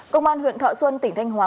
công an huyện thọ xuân tỉnh thanh hóa